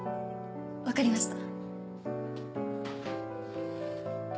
分かりました。